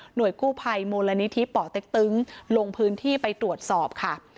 กู้ภัยมูลนิธิป่อเต็กตึงลงพื้นที่ไปตรวจสอบค่ะ